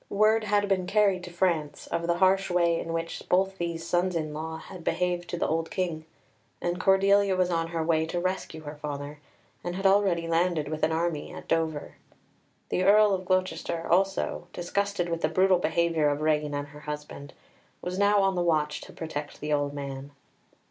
Word had been carried to France of the harsh way in which both these sons in law had behaved to the old King, and Cordelia was on her way to rescue her father, and had already landed with an army at Dover. The Earl of Gloucester also, disgusted with the brutal behaviour of Regan and her husband, was now on the watch to protect the old man.